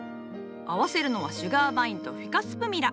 合わせるのはシュガーバインとフィカス・プミラ。